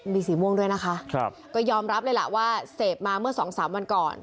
มีสีม่วงด้วยนะคะก็ยอมรับเลยล่ะว่าเสพมาเมื่อสองสามวันก่อน